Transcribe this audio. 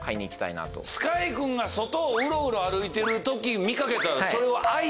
ＳＫＹ君が外をうろうろ歩いてる時見掛けたらそれは。